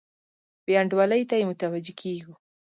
بې انډولۍ ته یې متوجه کیږو.